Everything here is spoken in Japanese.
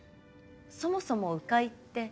そもそも鵜飼いって。